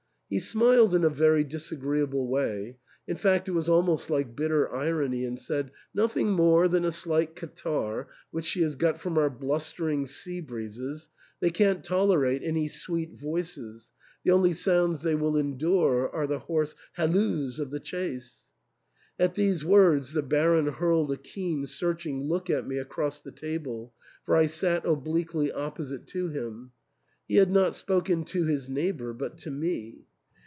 He smiled in a very disagreeable way, in fact, it was almost like bitter irony, and said, " Noth ing more than a slight catarrh, which she has got from our blustering sea breezes. They can't tolerate any sweet voices ; the only sounds they will endure are t*he hoarse 'Halloos' of the chase." At these words the Baron hurled a keen searching look at me across the table, for I sat obliquely opposite to him. He had not spoken to his neighbour, but to me.